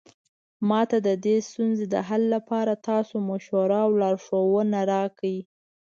ما ته د دې ستونزې د حل لپاره تاسو مشوره او لارښوونه راکړئ